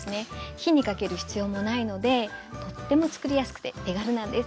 火にかける必要もないのでとっても作りやすくて手軽なんです。